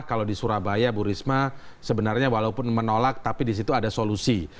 kalau di surabaya bu risma sebenarnya walaupun menolak tapi di situ ada solusi